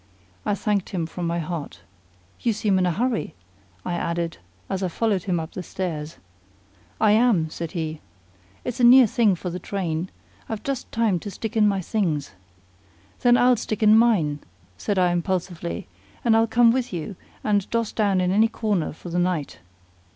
I thanked him from my heart. "You seem in a hurry!" I added, as I followed him up the stairs. "I am," said he. "It's a near thing for the train. I've just time to stick in my things." "Then I'll stick in mine," said I impulsively, "and I'll come with you, and doss down in any corner for the night."